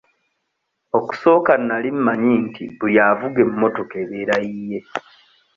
Okusooka nali mmanyi nti buli avuga emmotoka ebeera yiye.